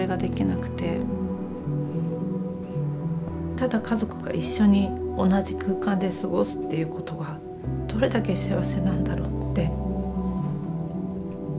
ただ家族が一緒に同じ空間で過ごすっていうことがどれだけ幸せなんだろうって。